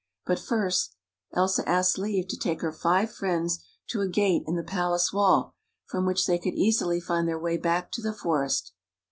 But first, Elsa asked leave to take her five friends to a gate in the palace wall, from which they could easily find their way back to the forest.